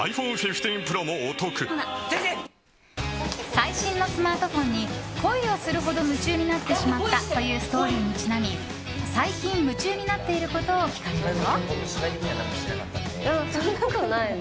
最新のスマートフォンに恋をするほど夢中になってしまったというストーリーにちなみ最近、夢中になっていることを聞かれると。